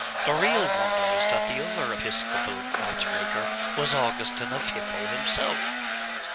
The real wonder is that the other episcopal match maker was Augustine of Hippo himself!